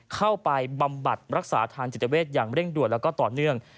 เข้าไปบำบัดรักษาอาทารณ์จิตเวชอย่างเร่งด่วนและต่อเนื่อง